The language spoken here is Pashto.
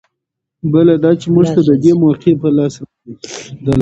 بله دا چې موږ ته د دې موقعې په لاس راځي.